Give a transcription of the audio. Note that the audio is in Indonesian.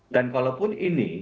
dan kalaupun ini